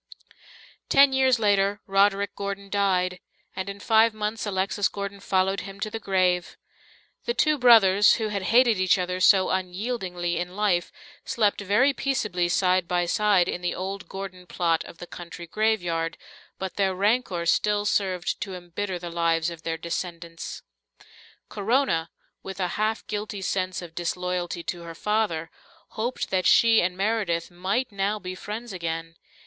Ten years later Roderick Gordon died, and in five months Alexis Gordon followed him to the grave. The two brothers who had hated each other so unyieldingly in life slept very peaceably side by side in the old Gordon plot of the country graveyard, but their rancour still served to embitter the lives of their descendants. Corona, with a half guilty sense of disloyalty to her father, hoped that she and Meredith might now be friends again.